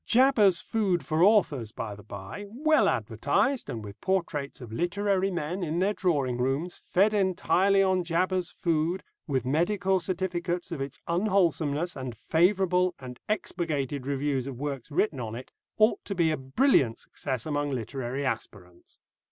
"Jabber's Food for Authors," by the bye, well advertised, and with portraits of literary men, in their drawing rooms, "Fed entirely on Jabber's Food," with medical certificates of its unwholesomeness, and favourable and expurgated reviews of works written on it, ought to be a brilliant success among literary aspirants.